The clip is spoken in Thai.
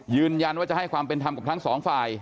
ยืนยันว่าจะให้ความเป็นธรรมกับทั้งสองฝ่าย